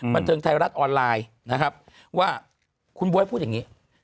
บันเทิงไทยรัฐออนไลน์นะครับว่าคุณบ๊วยพูดอย่างนี้